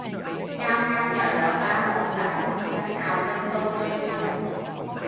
啱啱又有單黃大仙爭拗拎刀追住人